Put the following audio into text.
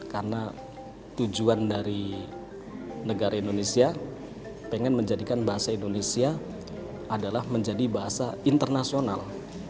karena tujuan dari negara indonesia pengen menjadikan bahasa indonesia adalah menjadi bahasa internasional